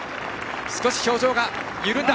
少し表情が緩んだ。